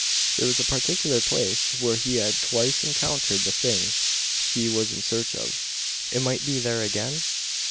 There was a particular place where he had twice encountered the thing he was in search of. It might be there again?